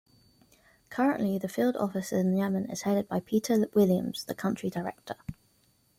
Currently the field office in Yemen is headed by Peter Williams, the country director.